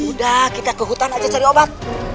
udah kita ke hutan aja cari obat